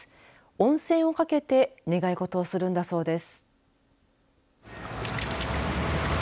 温泉をかけて願い事をするんだそうです。